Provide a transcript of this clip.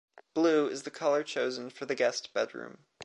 Blue is the color chosen for the guest bedroom.